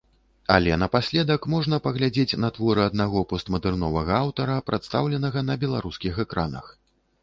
Але напаследак можна паглядзець на творы аднаго постмадэрновага аўтара, прадстаўленага на беларускіх экранах.